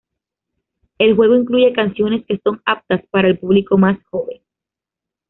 El juego incluye canciones que son "aptas para el público más joven".